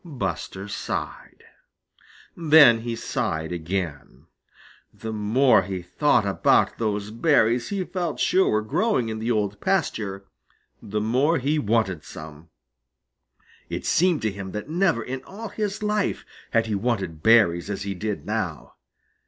Buster sighed. Then he sighed again. The more he thought about those berries he felt sure were growing in the Old Pasture, the more he wanted some. It seemed to him that never in all his life had he wanted berries as he did now.